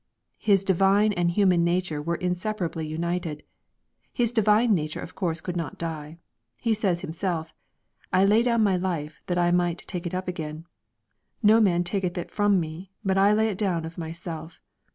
His divine and human nature were inseparably united. His divine nature of course could not die. He s&ys Himselfj " I lay down my life, that I might take it • again. No man taketh it from me, but I lay it down of myself.